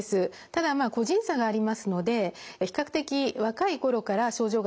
ただまあ個人差がありますので比較的若い頃から症状が始まる人もいます。